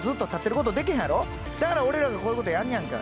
だから俺らがこういうことやんねやんか。